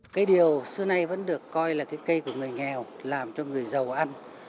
cây điều xưa nay vẫn được coi là cái cây của người nghèo làm cho người giàu ăn